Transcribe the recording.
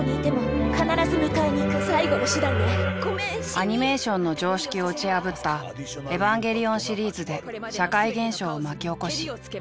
アニメーションの常識を打ち破った「エヴァンゲリオン」シリーズで社会現象を巻き起こし。